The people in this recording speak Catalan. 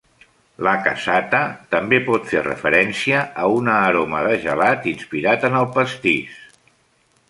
La "cassata" també pot fer referència a una aroma de gelat inspirat en el pastís.